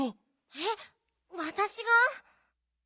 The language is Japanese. えっわたしが？